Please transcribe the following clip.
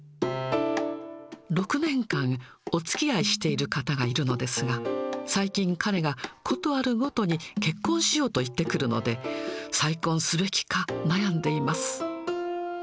６年間、おつきあいしている方がいるのですが、最近、彼が事あるごとに結婚しようと言ってくるので、再婚すべきか悩んでいます。